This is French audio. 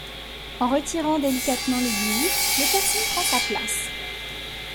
En retirant délicatement l’aiguille, le piercing prend sa place.